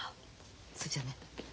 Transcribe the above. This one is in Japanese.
それじゃね。